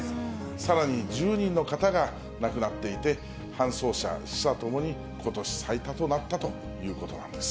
さらに、１０人の方が亡くなっていて、搬送車、死者ともにことし最多となったということなんです。